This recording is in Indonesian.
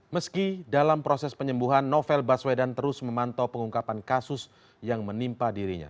meski dalam proses penyembuhan novel baswedan terus memantau pengungkapan kasus yang menimpa dirinya